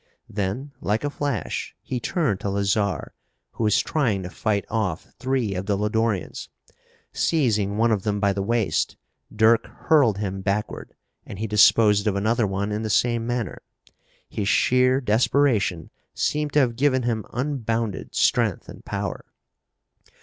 Then, like a flash, he turned to Lazarre, who was trying to fight off three of the Lodorians. Seizing one of them by the waist, Dirk hurled him backward and he disposed of another one in the same manner. His sheer desperation seemed to have given him unbounded strength and power.